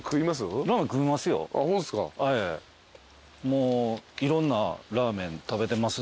もういろんなラーメン食べてますね。